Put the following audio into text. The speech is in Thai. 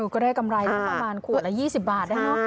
ก็ได้กำไรสักประมาณขวดละ๒๐บาทได้เนอะ